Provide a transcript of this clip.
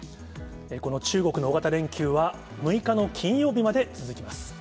この中国の大型連休は、６日の金曜日まで続きます。